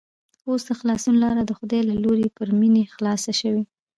اوس د خلاصون لاره د خدای له لوري پر مينې خلاصه شوې